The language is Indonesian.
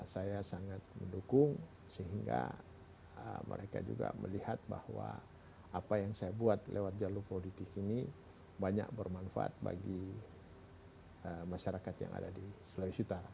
saya sangat mendukung sehingga mereka juga melihat bahwa apa yang saya buat lewat jalur politik ini banyak bermanfaat bagi masyarakat yang ada di sulawesi utara